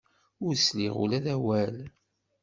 Ur sliɣ ula d awal.